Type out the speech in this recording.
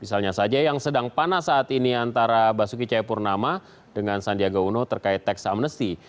misalnya saja yang sedang panas saat ini antara basuki cahayapurnama dengan sandiaga uno terkait teks amnesty